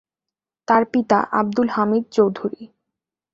তার পিতা আব্দুল হামিদ চৌধুরী।